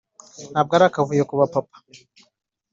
'ntabwo ari akavuyo kuba papa.